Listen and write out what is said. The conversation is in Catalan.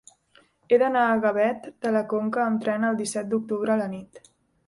He d'anar a Gavet de la Conca amb tren el disset d'octubre a la nit.